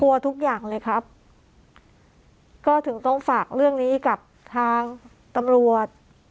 ทุกอย่างเลยครับก็ถึงต้องฝากเรื่องนี้กับทางตำรวจ